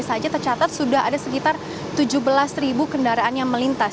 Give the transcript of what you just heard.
saja tercatat sudah ada sekitar tujuh belas ribu kendaraan yang melintas